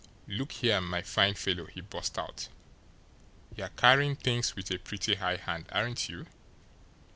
"Look here, my fine fellow," he burst out, "you're carrying things with a pretty high hand, aren't you?